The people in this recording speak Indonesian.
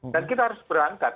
dan kita harus berangkat